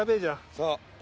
そう。